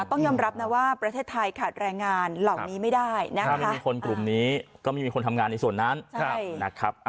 ต้องยอมรับนะว่าประเทศไทยขาดแรงงานเหล่านี้ไม่ได้นะครับถ้าไม่มีคนกลุ่มนี้ก็ไม่มีคนทำงานในส่วนนั้นนะครับ